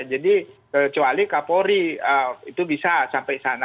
ya jadi kecuali kapolri itu bisa sampai sana